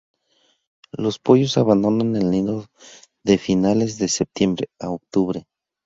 Los pollos abandonan el nido de finales de septiembre a octubre.